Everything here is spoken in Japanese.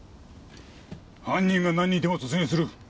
犯人が何人いても突入する。